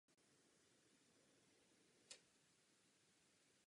Všechny písně na albu napsala zpěvačka sama.